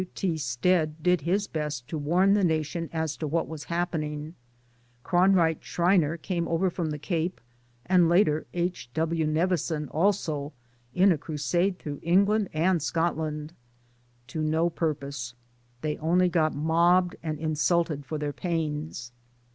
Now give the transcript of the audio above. W. T. Stead did his best to warn the nation as to what was happening ; Cronwright Schreiner came over from the Cape, and later H. Wi. Nevinson also, in a crusade through England and Scotland. To no purpose : they only got mobbed and insulted for their pains.